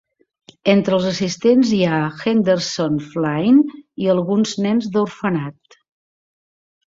Entre els assistents hi ha Henderson, Flynn i alguns nens de orfenat.